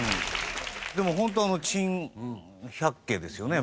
でもホント珍百景ですよね。